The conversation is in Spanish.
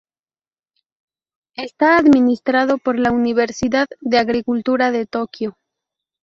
Está administrado por la Universidad de Agricultura de Tokio.